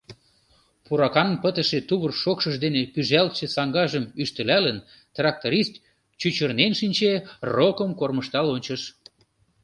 Пуракаҥ пытыше тувыр шокшыж дене пӱжалтше саҥгажым ӱштылалын, тракторист чӱчырнен шинче, рокым кормыжтал ончыш.